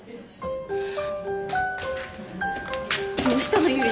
どうしたの？